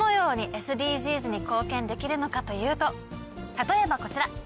例えばこちら。